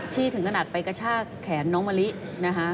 ถึงขนาดไปกระชากแขนน้องมะลินะคะ